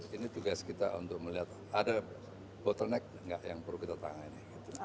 ini tugas kita untuk melihat ada bottleneck nggak yang perlu kita tangani